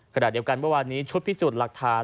ขณะเดียวกันเมื่อวานนี้ชุดพิสูจน์หลักฐาน